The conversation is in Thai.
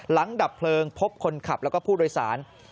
ดับเพลิงพบคนขับแล้วก็ผู้โดยสาร